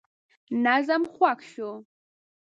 نظم خوښ شو.